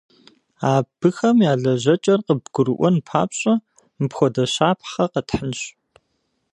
Абыхэм я лэжьэкӏэр къыбгурыӏуэн папщӏэ, мыпхуэдэ щапхъэ къэтхьынщ.